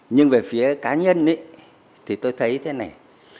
nhưng về phía cá nhân thì tôi thấy thế này